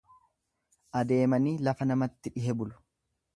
Adeemanii lafa namatti dhihe bulu.